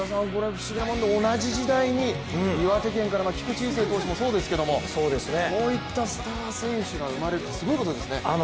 同じ時代に岩手県から菊池雄星投手もそうですけれどもこういったスター選手が生まれる、すごいことですね。